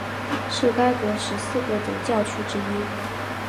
是该国十四个总教区之一。